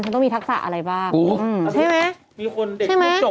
ฉันต้องมีทักษะอะไรบ้างใช่ไหมใช่ไหมครับโอ้โฮ